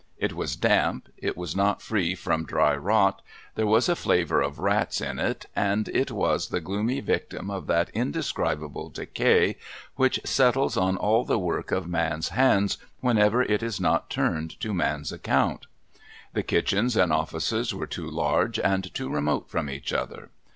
It was damp, it was not free from dry rot, there was a flavour of rats in it, and it was the gloomy victim of that indescribable decay which settles on all the work of man's hands whenever it is not turned to man's account. The kitchens and offices were too large, and too remote from each other.